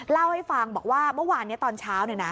เล่าให้ฟังบอกว่าเมื่อวานนี้ตอนเช้า